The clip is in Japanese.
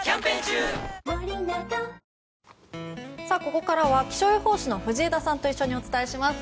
ここからは気象予報士の藤枝さんと一緒にお伝えします。